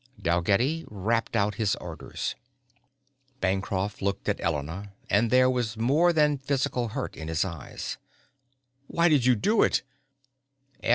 Dalgetty rapped out his orders. Bancroft looked at Elena and there was more than physical hurt in his eyes. "Why did you do it?"